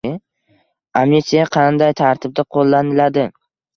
Amnistiya qanday tartibda qo‘llaniladi?